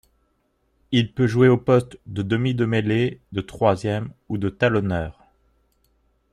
Il peut jouer au poste de demi de mêlée, de troisième ou de talonneur.